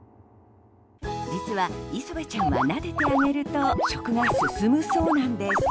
実は、いそべちゃんはなでてあげると食が進むそうなんです。